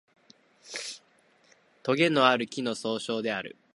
とげのある木の総称である